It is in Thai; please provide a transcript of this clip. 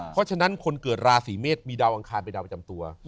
เพราะฉะนั้นคนเกิดราศีเมษมีดาวอังคารเป็นดาวประจำตัว